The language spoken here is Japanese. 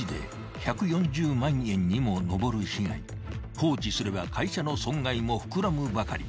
［放置すれば会社の損害も膨らむばかり］